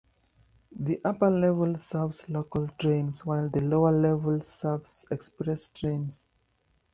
The upper level serves local trains while the lower level serves express trains.